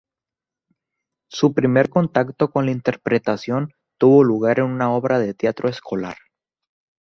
Su primer contacto con la interpretación tuvo lugar en una obra de teatro escolar.